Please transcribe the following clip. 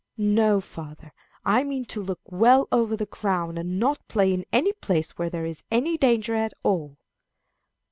"No, father, I mean to look well over the ground, and not play in any place where there is any danger at all."